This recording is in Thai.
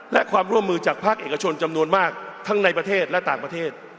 และความร่วมมือจากภาคเอกชนจำนวนมากทั้งในประเทศและต่างประเทศ